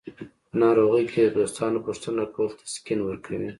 په ناروغۍ کې د دوستانو پوښتنه کول تسکین ورکوي.